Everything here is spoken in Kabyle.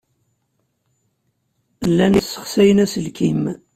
Llan ssexsayen aselkim.